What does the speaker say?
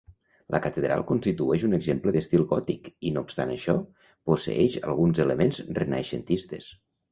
La catedral constitueix un exemple de l'estil gòtic, no obstant això, posseeix alguns elements renaixentistes.